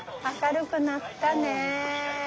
明るくなったね。